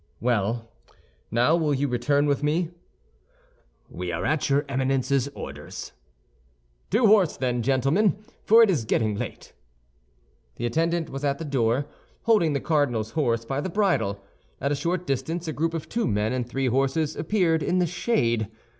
"Well; now will you return with me?" "We are at your Eminence's orders." "To horse, then, gentlemen; for it is getting late." The attendant was at the door, holding the cardinal's horse by the bridle. At a short distance a group of two men and three horses appeared in the shade.